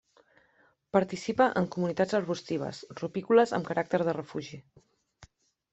Participa en comunitats arbustives rupícoles amb caràcter de refugi.